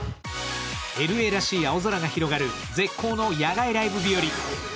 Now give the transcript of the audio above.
ＬＡらしい青空が広がる絶好の野外ライブ日和